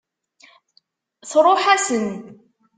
Tṛuḥ-asen.